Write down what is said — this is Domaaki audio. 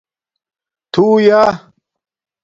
تُھݸیہ